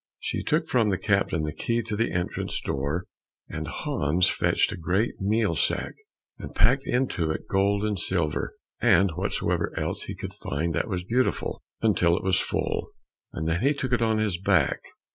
She took from the captain the key to the entrance door, and Hans fetched a great meal sack and packed into it gold and silver, and whatsoever else he could find that was beautiful, until it was full, and then he took it on his back.